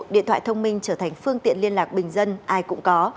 điện thoại thông minh trở thành phương tiện liên lạc bình dân ai cũng có